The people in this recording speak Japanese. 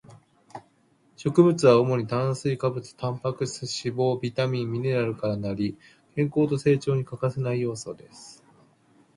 食物は主に炭水化物、タンパク質、脂肪、ビタミン、ミネラルから成り、健康と成長に欠かせない要素です